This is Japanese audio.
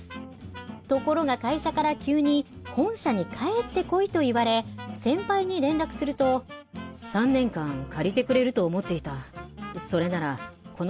ところが会社から急に「本社に帰ってこい」と言われ先輩に連絡するとと言われたけど払わないといけないの？